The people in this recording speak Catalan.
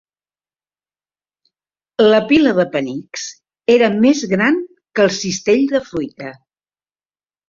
La pila de penics era més gran que el cistell de fruita.